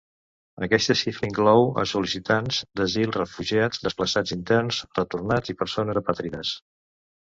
Aquesta xifra inclou a sol·licitants d'asil, refugiats, desplaçats interns, retornats i persones apàtrides.